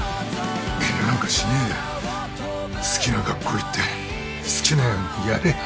遠慮なんかしねえで好きな学校行って好きなようにやれや。